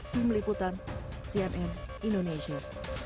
tim liputan cnn indonesia